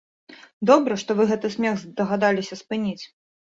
Добра, што вы гэты смех здагадаліся спыніць.